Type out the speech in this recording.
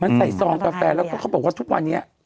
มันใส่ซองกาแฟแล้วก็เขาบอกว่าทุกวันนี้